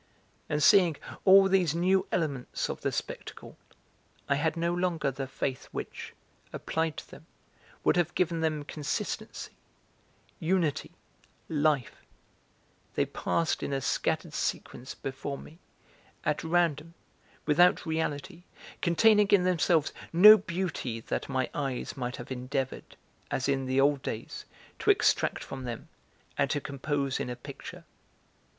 And seeing all these new elements of the spectacle, I had no longer the faith which, applied to them, would have given them consistency, unity, life; they passed in a scattered sequence before me, at random, without reality, containing in themselves no beauty that my eyes might have endeavoured as in the old days, to extract from them and to compose in a picture.